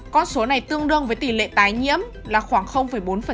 con số này tương đương với tỷ lệ tái nhiễm là khoảng bốn